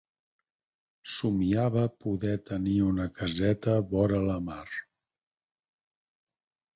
Somiava poder tenir una caseta vora la mar.